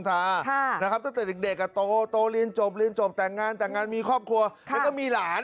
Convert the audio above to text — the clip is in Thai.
ถ้าเต็กอะโตรินจบจบแต่งงานแต่งงานมีครอบครัวแล้วก็มีหลาน